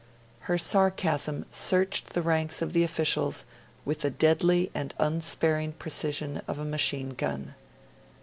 Her sarcasm searched the ranks of the officials with the deadly and unsparing precision of a machine gun.